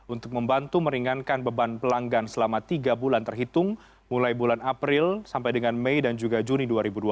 untuk membantu meringankan beban pelanggan selama tiga bulan terhitung mulai bulan april sampai dengan mei dan juga juni dua ribu dua puluh